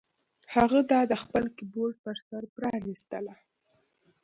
هغه دا د خپل کیبورډ په سر پرانیستله